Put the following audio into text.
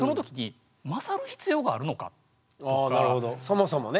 そもそもね。